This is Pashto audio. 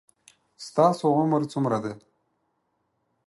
ستاسو عمر څومره ده